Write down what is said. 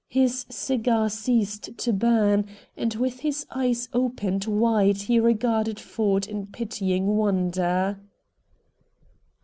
His cigar ceased to burn, and with his eyes opened wide he regarded Ford in pitying wonder.